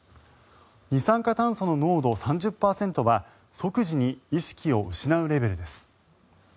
二酸化炭素の濃度３０％は即時に意識を失うレベルです。